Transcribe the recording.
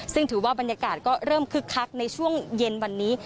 ซึ่งถือว่าบรรยากาศก็เริ่มคึกคักในช่วงเย็นวันนี้